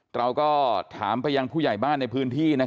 กลัวเขามาทำร้ายหรือว่า